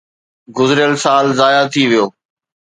گذريل سال ضايع ٿي ويو.